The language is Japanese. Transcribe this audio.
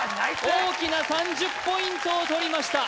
大きな３０ポイントをとりました